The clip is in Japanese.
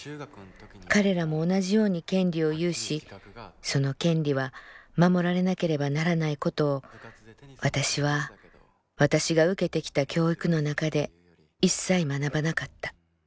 彼らも同じように権利を有しその権利は守られなければならないことを私は私が受けてきた教育の中でいっさい学ばなかった」。